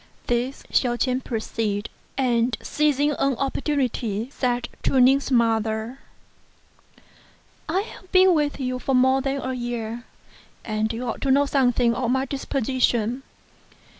This Hsiao ch'ien perceived, and seizing an opportunity said to Ning's mother, "I have been with you now more than a year, and you ought to know some thing of my disposition.